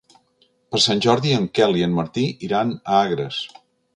Per Sant Jordi en Quel i en Martí iran a Agres.